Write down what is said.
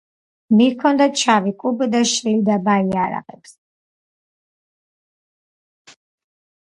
მიჰქონდათ შავი კუბო, და შლიდა ბაირაღებს